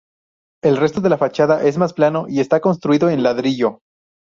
El resto de la fachada es más plano y está construido en ladrillo.